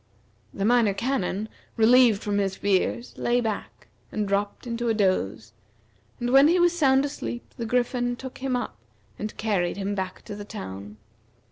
The Minor Canon, relieved from his fears, lay back, and dropped into a doze; and when he was sound asleep the Griffin took him up, and carried him back to the town.